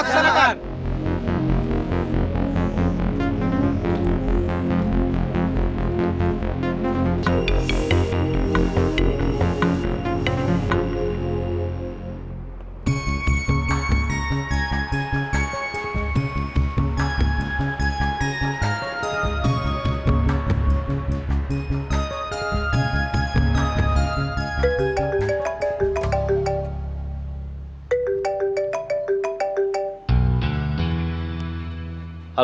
tiga dolar saja dasarnya